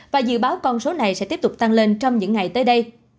và dự báo con số này sẽ tiếp tục tăng lên trong những ngày tới đây